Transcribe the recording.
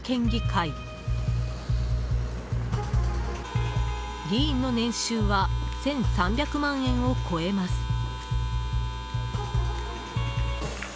議員の年収は１３００万円を超えます。